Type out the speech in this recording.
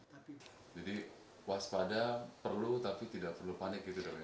jadi waspada perlu tapi tidak perlu panik gitu dong ya